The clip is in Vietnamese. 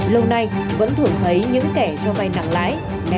lâu nay vẫn thường thấy những kẻ cho vay nặng lãi ném ánh nặng lãi